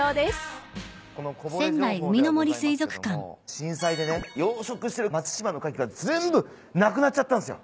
震災でね養殖してる松島のカキが全部なくなっちゃったんすよ。